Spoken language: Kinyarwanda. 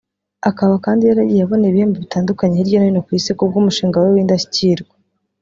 Akaba kandi yaragiye abona ibihembo bitandukanye hirya no hino ku isi ku bw’umushinga we w’indashyikirwa